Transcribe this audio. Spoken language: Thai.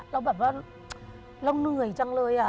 เราแบบว่าเราเหนื่อยจังเลย